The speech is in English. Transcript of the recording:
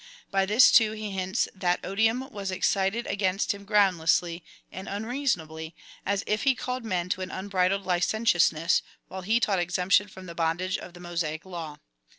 By this too he hints that odium was excited against him groundlessly and unreasonably, as if he called men to an unbridled licentiousness, while he taught exemption from the bondage of the Mosaic law.